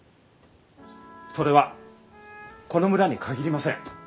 それはこの村に限りません。